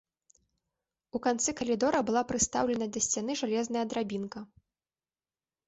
У канцы калідора была прыстаўлена да сцяны жалезная драбінка.